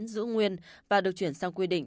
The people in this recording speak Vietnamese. giữ nguyên và được chuyển sang quy định